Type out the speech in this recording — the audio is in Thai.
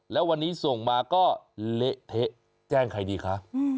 แล้ววันนี้ส่งมาก็เละเทะแจ้งใครดีคะ